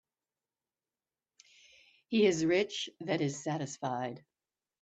He is rich that is satisfied.